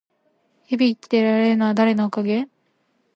日々生きられているのは誰のおかげ？